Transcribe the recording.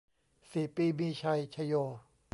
สี่ปีมีชัย ชโย